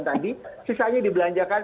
tadi sisanya dibelanjakan